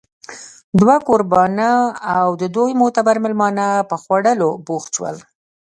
دوه کوربانه او د دوی معتبر مېلمانه په خوړلو بوخت شول